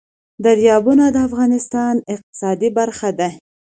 دریابونه د افغانستان د اقتصاد برخه ده.